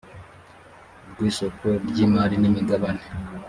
rw isoko ry imari n imigabane